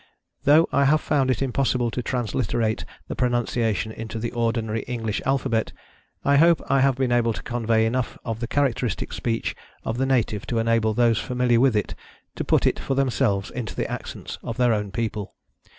Though I have found it impossible to transliterate the pronunciation into the ordinary English alphabet, I hope I have been able to convey enough of the characteristic speech of the native to enable those familiar with it to put it for themselves into the accents of their own people.